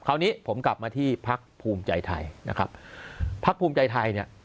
คราวนี้ผมกลับมาที่พักภูมิใจไทยนะครับพักภูมิใจไทยเนี่ย